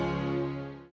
ketemu di kantor